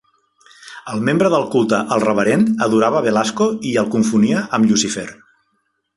El membre del culte "el reverend" adorava Belasco i el confonia amb Llucifer.